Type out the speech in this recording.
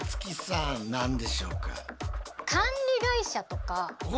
何でしょうか？